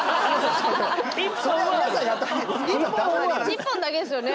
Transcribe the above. １本だけですよね？